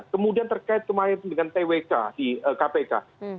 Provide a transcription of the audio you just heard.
kemudian terkait kemarin dengan twk di kpk